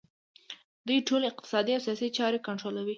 دوی ټولې اقتصادي او سیاسي چارې کنټرولوي